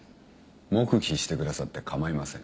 黙秘してくださって構いません。